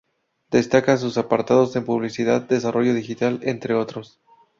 Destacan sus apartados en publicidad, desarrollo digital, entre otros.